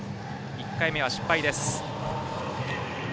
１回目は失敗です。